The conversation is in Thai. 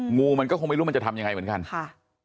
งูมันก็คงไม่รู้มันจะทำยังไงเหมือนกันค่ะ